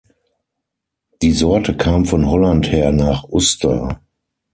Die Sorte kam von Holland her nach Uster.